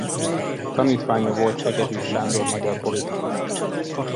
Tanítványa volt Hegedüs Sándor magyar politikus.